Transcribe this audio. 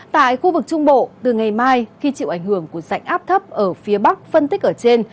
tại khu vực trung bộ từ ngày mai khi chịu ảnh hưởng của dạnh áp thấp ở phía bắc phân tích ở trên